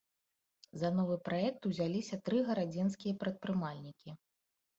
За новы праект узяліся тры гарадзенскія прадпрымальнікі.